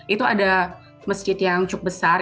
itu ada masjid yang cukup besar